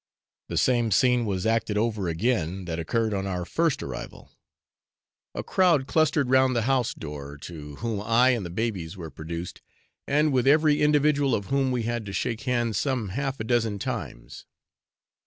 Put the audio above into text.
The same scene was acted over again that occurred on our first arrival. A crowd clustered round the house door, to whom I and my babies were produced, and with every individual of whom we had to shake hands some half a dozen times.